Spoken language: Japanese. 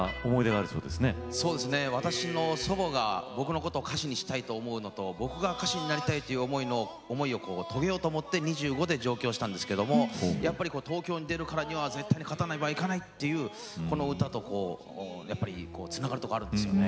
私の祖母が僕のことを歌手にしたいと思うのと僕が歌手になりたいという思いを遂げようと思って２５で上京したんですけどもやっぱり東京に出るからには絶対に勝たなければいけないっていうこの歌とやっぱりつながるとこあるんですよね。